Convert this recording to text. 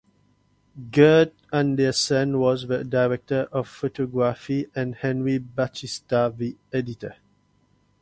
Gert Andersen was the director of photography and Henry Batista the editor.